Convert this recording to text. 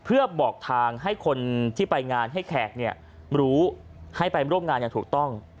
เพื่อบอกทางให้คนที่ไปงานให้แขกรู้ให้ไปร่วมงานอย่างถูกต้อง